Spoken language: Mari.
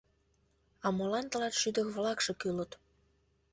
— А молан тылат шӱдыр-влакше кӱлыт?